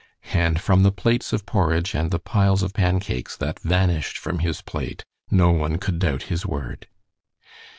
And from the plates of porridge and the piles of pancakes that vanished from his plate no one could doubt his word.